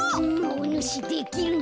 おぬしできるな。